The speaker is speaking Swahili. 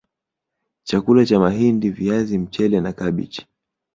Chakula cha mahindi viazi mchele na kabichi